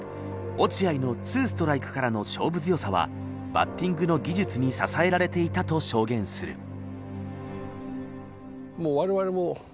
落合の２ストライクからの勝負強さはバッティングの技術に支えられていたと証言する。